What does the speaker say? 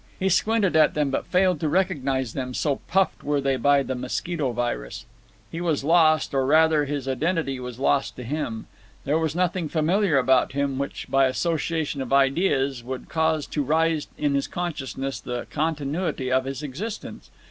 He squinted at them, but failed to recognize them, so puffed were they by the mosquito virus. He was lost, or rather, his identity was lost to him. There was nothing familiar about him, which, by association of ideas, would cause to rise in his consciousness the continuity of his existence.